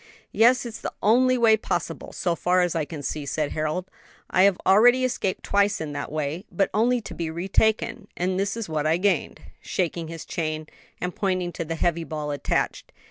"Yes, it's the only way possible, so far as I can see," said Harold. "I have already escaped twice in that way, but only to be retaken, and this is what I gained," shaking his chain, and pointing to the heavy ball attached.